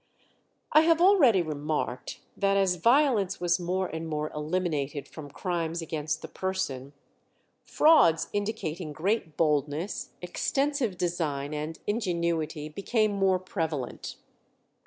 I have already remarked that as violence was more and more eliminated from crimes against the person, frauds indicating great boldness, extensive design, and ingenuity became more prevalent.